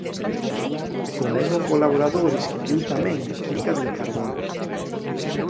Co mesmo colaborador escribiu tamén "Química del carbono".